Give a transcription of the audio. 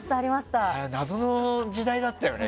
謎の時代だったよね。